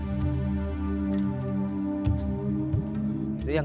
masyarakat baduy mencoba menolak sinyal internet di wilayah baduy